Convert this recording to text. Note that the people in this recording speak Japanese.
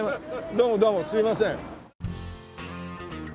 どうもどうもすいません。